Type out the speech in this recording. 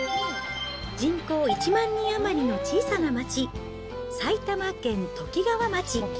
人口１万人余りの小さな町、埼玉県ときがわ町。